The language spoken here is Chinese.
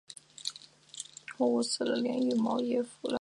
以区内有高桥镇得名。